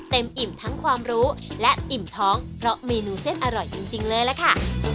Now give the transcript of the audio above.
อิ่มทั้งความรู้และอิ่มท้องเพราะเมนูเส้นอร่อยจริงเลยล่ะค่ะ